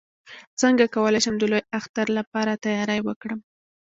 څنګه کولی شم د لوی اختر لپاره تیاری وکړم